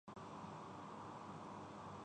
ایمارا